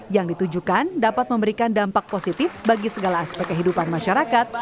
yang ditujukan dapat memberikan dampak positif bagi segala aspek kehidupan masyarakat